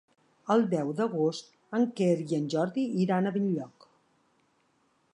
El deu d'agost en Quer i en Jordi iran a Benlloc.